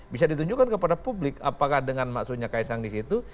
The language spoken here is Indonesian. bisa ditunjukkan kepada publik apakah dengan maksudnya kaisang di situ